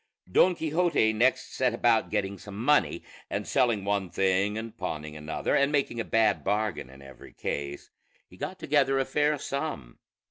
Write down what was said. Don Quixote next set about getting some money; and selling one thing and pawning another, and making a bad bargain in every case, he got together a fair sum.